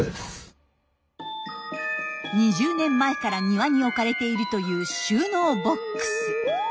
２０年前から庭に置かれているという収納ボックス。